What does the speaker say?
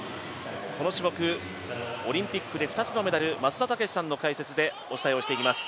この種目、オリンピックで２つのメダル松田丈志の解説でお伝えしていきます。